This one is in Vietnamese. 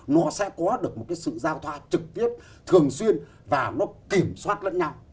nó sẽ có được một cái sự giao thoa trực tiếp thường xuyên và nó kiểm soát lẫn nhau